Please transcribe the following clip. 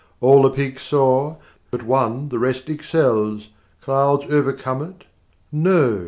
All the peaks soar, but one the rest excels; Clouds overcome it; No!